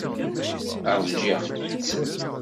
Ṛjiɣ-tt.